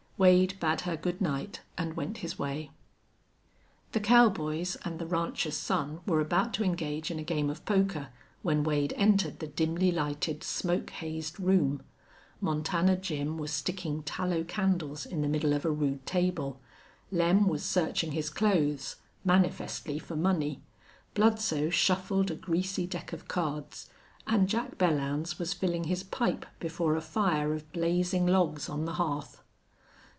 Wade bade her good night and went his way. The cowboys and the rancher's son were about to engage in a game of poker when Wade entered the dimly lighted, smoke hazed room. Montana Jim was sticking tallow candles in the middle of a rude table; Lem was searching his clothes, manifestly for money; Bludsoe shuffled a greasy deck of cards, and Jack Belllounds was filling his pipe before a fire of blazing logs on the hearth.